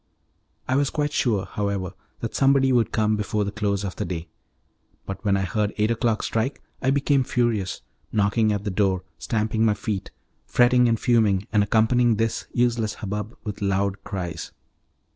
I was quite sure, however, that somebody would come before the close of the day; but when I heard eight o'clock strike I became furious, knocking at the door, stamping my feet, fretting and fuming, and accompanying this useless hubbub with loud cries.